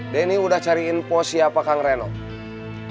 denny udah cari info siapa kang renom